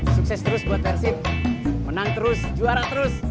sukses terus buat persib menang terus juara terus